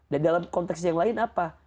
dan dalam konteks yang lain apa